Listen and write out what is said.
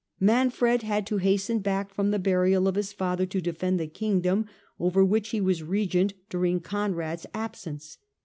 Manfred had to hasten back from the burial of his father to defend the Kingdom, over which he was Regent during Conrad's absence.